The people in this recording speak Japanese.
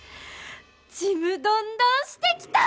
ちむどんどんしてきた！